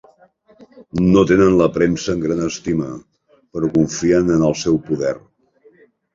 No tenen la premsa en gran estima, però confien en el seu poder.